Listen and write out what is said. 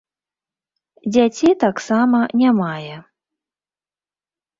Дзяцей таксама не мае.